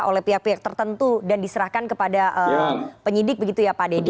oleh pihak pihak tertentu dan diserahkan kepada penyidik begitu ya pak dedy